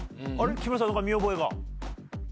木村さん見覚えが。